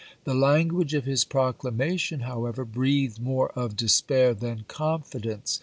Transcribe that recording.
The language of his proclamation, however, breathed more of despair than confidence.